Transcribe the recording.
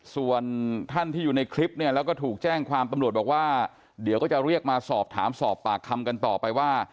ส่วนท่านที่อยู่ในคลิปเนี่ยแล้วก็ถูกแจ้งความตำรวจบอกว่าเดี๋ยวก็จะเรียกมาสอบถามสอบปากคำกันต่อไปว่า